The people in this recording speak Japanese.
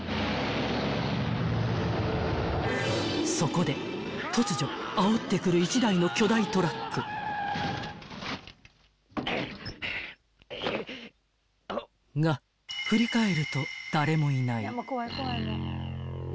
［そこで突如あおってくる一台の巨大トラック］［が振り返ると］